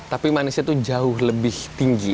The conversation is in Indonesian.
tapi manisnya itu jauh lebih tinggi